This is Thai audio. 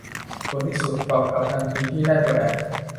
ด่วนที่สุด ตอบกลับทันทีที่ได้เปิดอ่าน